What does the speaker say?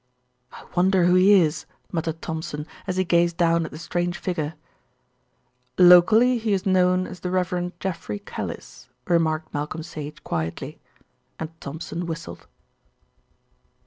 "I wonder who he is," muttered Thompson, as he gazed down at the strange figure. "Locally he is known as the Rev. Geoffrey Callice," remarked Malcolm Sage quietly. And Thompson whistled.